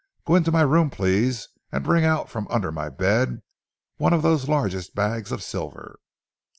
Go into my room, please, and bring out, from under my bed, one of those largest bags of silver."